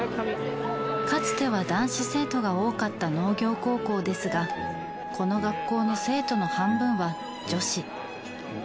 かつては男子生徒が多かった農業高校ですがこの学校の生徒の半分は女子。